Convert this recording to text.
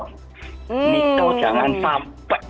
nikel jangan sampai